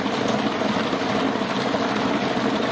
พร้อมทุกสิทธิ์